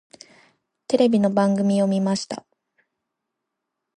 テレビの番組を見ました。